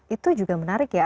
itu juga menarik ya